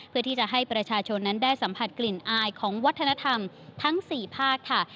เพื่อที่จะให้ประชาชนนั้นได้สัมผัสกลิ่นอายของวัฒนธรรมทั้ง๔ภาคค่ะ